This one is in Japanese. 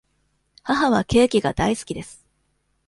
母はケーキが大好きです。